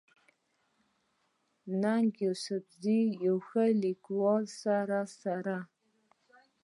ننګ يوسفزۍ د يو ښه ليکوال سره سره